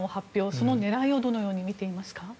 その狙いをどのように見ていますか？